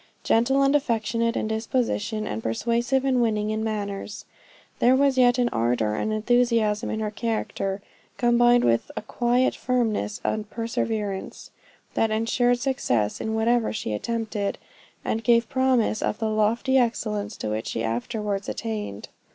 Gentle and affectionate in disposition, and persuasive and winning in manners, there was yet an ardor and enthusiasm in her character, combined with a quiet firmness and perseverance, that ensured success in whatever she attempted, and gave promise of the lofty excellence to which she afterwards attained.